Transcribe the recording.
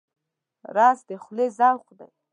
رس د خولې ذوق دی